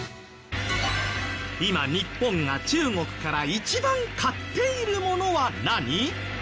今日本が中国から一番買っているものは何？